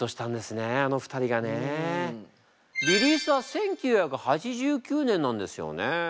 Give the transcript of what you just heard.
リリースは１９８９年なんですよね。